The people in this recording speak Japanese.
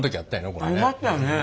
これね。ありましたよね。